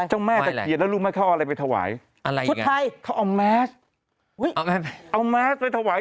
เจ้าแม่ตะเขียนแล้วรูปให้เขาเอาอะไรไปถวาย